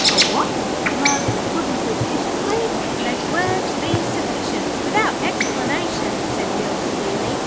'A what?' demanded the Puddin', suspiciously. 'Let words be sufficient, without explanation,' said Bill, severely.